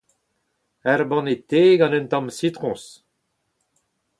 Ur banne te gant un tamm sitroñs.